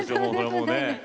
もうね。